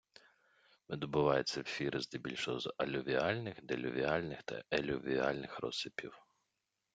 Видобувають сапфіри здебільшого з алювіальних, делювіальних та елювіальних розсипів